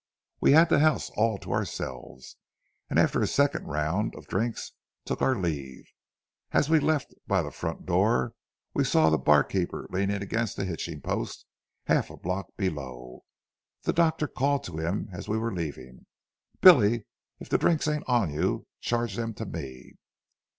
We had the house all to ourselves, and after a second round of drinks took our leave. As we left by the front door, we saw the barkeeper leaning against a hitching post half a block below. The doctor called to him as we were leaving: 'Billy, if the drinks ain't on you, charge them to me.'"